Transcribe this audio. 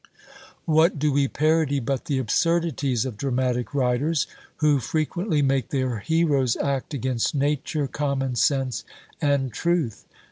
What do we parody but the absurdities of dramatic writers, who frequently make their heroes act against nature, common sense, and truth?